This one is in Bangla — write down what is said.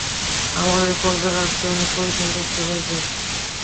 আমায় এই পর্যায়ে আসতে অনেক পরিশ্রম করতে হয়েছে।